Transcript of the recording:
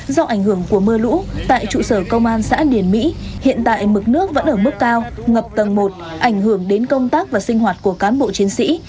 do ảnh hưởng của mưa lũ tại trụ sở công an xã điển mỹ hiện tại mực nước vẫn ở mức cao ngập tầng một ảnh hưởng đến công tác và sinh hoạt của cán bộ chiến sĩ